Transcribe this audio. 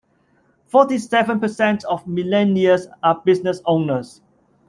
Forty-seven percent of millionaires are business owners.